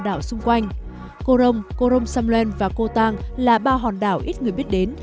đảo xung quanh korong korong samlen và kotang là ba hòn đảo ít người biết đến